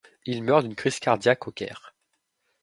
Il meurt d'une crise cardiaque au Caire.